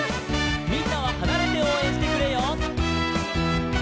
「みんなははなれておうえんしてくれよ」